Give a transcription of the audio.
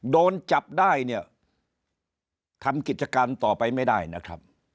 โดนจับได้เนี่ยทำกิจการต่อไปไม่ได้นะครับ